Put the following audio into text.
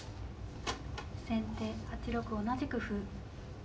先手８六同じく歩。